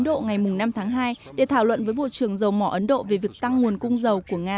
độ ngày năm tháng hai để thảo luận với bộ trưởng dầu mỏ ấn độ về việc tăng nguồn cung dầu của nga